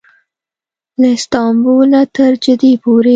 له استانبول نه تر جدې پورې.